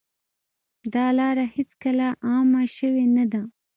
دا لاره هېڅکله عامه شوې نه ده.